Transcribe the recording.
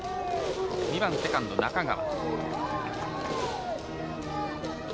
２番、セカンド中川。